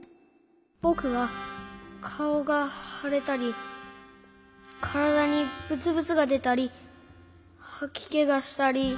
ぼくはかおがはれたりからだにブツブツがでたりはきけがしたり。